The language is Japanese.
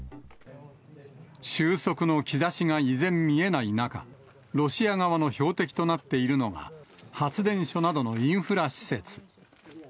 収束の兆しが依然見えない中、ロシア側の標的となっているのが、発電所などのインフラ施設。